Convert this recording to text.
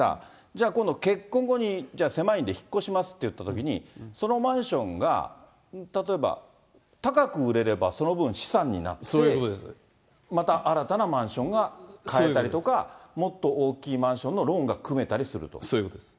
じゃあ、今度、結婚後に狭いんで引っ越しますっていったときに、そのマンションが、例えば、高く売れればその分資産になって、また新たなマンションが買えたりとか、もっと大きいマンションのそういうことです。